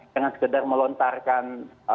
dengan sekedar melontarkan